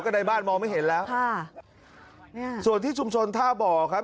กระดายบ้านมองไม่เห็นแล้วส่วนที่ชุมชนท่าบ่อครับ